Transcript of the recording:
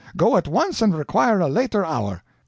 Go at once and require a later hour."